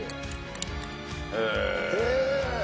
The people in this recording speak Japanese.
へえ。